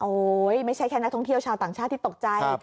ไม่ใช่แค่นักท่องเที่ยวชาวต่างชาติที่ตกใจ